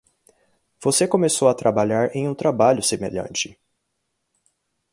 Você começou a trabalhar em um trabalho semelhante.